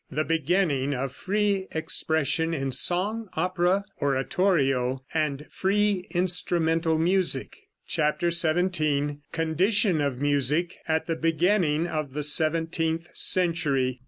THE BEGINNING OF FREE EXPRESSION IN SONG, OPERA, ORATORIO AND FREE INSTRUMENTAL MUSIC. CHAPTER XVII. CONDITION OF MUSIC AT THE BEGINNING OF THE SEVENTEENTH CENTURY.